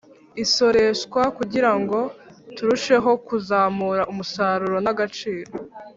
isoreshwa kugirango turusheho kuzamura umusaruro n'agaciro